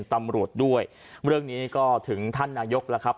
ตำรวจด้วยเรื่องนี้ก็ถึงท่านนายกแล้วครับ